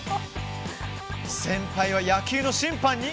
先輩は野球の審判に！？